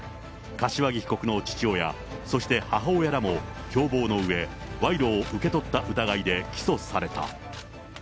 柏木被告の父親、そして母親らも共謀のうえ、賄賂を受け取った疑いで起訴された。